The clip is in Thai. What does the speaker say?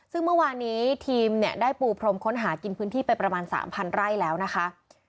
ซึ่งเมื่อวานี้ทีมเนี่ยได้ปูพรมค้นหากินพื้นที่ไปประมาณ๓๐๐ไร่แล้วนะคะ